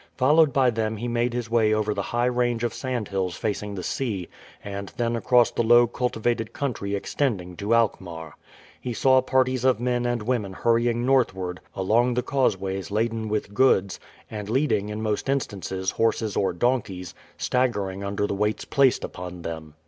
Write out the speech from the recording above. Followed by them he made his way over the high range of sand hills facing the sea, and then across the low cultivated country extending to Alkmaar. He saw parties of men and women hurrying northward along the causeways laden with goods, and leading in most instances horses or donkeys, staggering under the weights placed upon them.